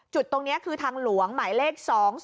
จุดตรงนี้คือทางหลวงหมายเลข๒๔